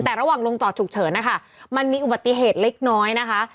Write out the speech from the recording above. แต่ระหว่างลงจอดฉุกเฉินนะคะมันมีอุบัติเหตุเล็กน้อยนะคะ